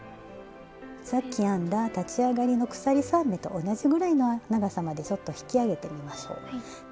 さっき編んだ立ち上がりの鎖３目と同じぐらいの長さまでちょっと引き上げてみましょう。